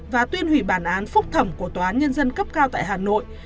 và tuyên hủy bản án phúc thẩm của tòa án nhân dân cấp cao tại hà nội